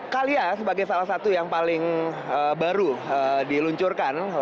calya sebagai salah satu yang paling baru diluncurkan